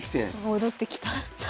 戻ってきた。